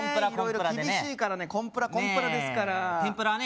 色々厳しいからねコンプラコンプラですから天ぷらはね